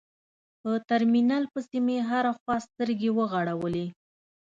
په ترمينل پسې مې هره خوا سترګې وغړولې.